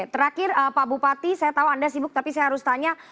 terakhir pak bupati saya tahu anda sibuk tapi saya harus tanya